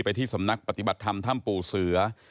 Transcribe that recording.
ที่สำนักปฏิบัติธรรมถ้ำปู่เสือ